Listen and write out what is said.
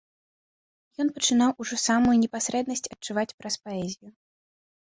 Ён пачынаў ужо самую непасрэднасць адчуваць праз паэзію.